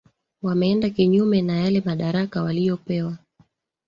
wameenda kinyume na yale madaraka waliopewa